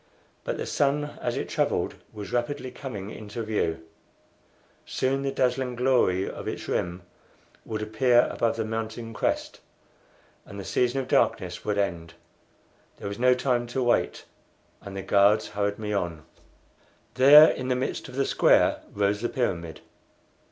But the sun as it travelled was rapidly coming into view; soon the dazzling glory of its rim would appear above the mountain crest, and the season of darkness would end. There was no time to wait, and the guards hurried me on. There in the midst of the square rose the pyramid.